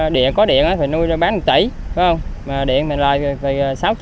điện có điện thì nuôi bán một tỷ điện lợi thì sáu trăm linh